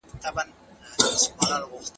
د خپل کلتور د ساتنې لپاره پروژې.